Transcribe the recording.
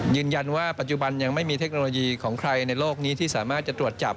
ยืนยันว่าปัจจุบันยังไม่มีเทคโนโลยีของใครในโลกนี้ที่สามารถจะตรวจจับ